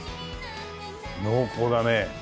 濃厚だね。